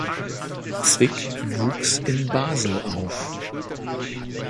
Zwick wuchs in Basel auf.